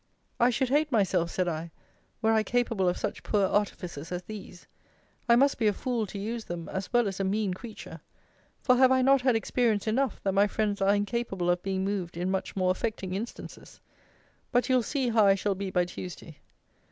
I should hate myself, said I, were I capable of such poor artifices as these. I must be a fool to use them, as well as a mean creature; for have I not had experience enough, that my friends are incapable of being moved in much more affecting instances? But you'll see how I shall be by Tuesday.